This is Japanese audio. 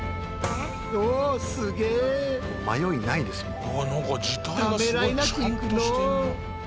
迷いないですよね。